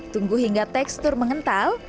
tunggu hingga tekstur mengental